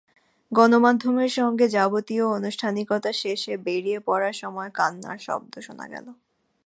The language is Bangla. গণমাধ্যমের সঙ্গে যাবতীয় আনুষ্ঠানিকতা শেষে বেরিয়ে পড়ার সময় কান্নার শব্দ শোনা গেল।